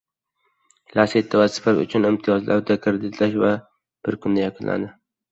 «Lacetti» va «Spark» uchun imtiyozli avtokreditlash bir kunda yakunlangan